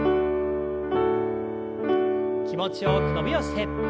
気持ちよく伸びをして。